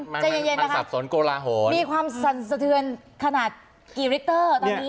มันสับสนโกลาโฮนมีความสันสะเทือนขนาดกี่ลิตเตอร์ตอนนี้